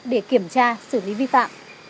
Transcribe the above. để kiểm tra xử lý vi phạm